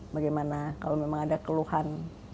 bagaimana kalau memang ada keluhan